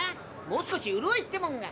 もう少しうるおいってもんが。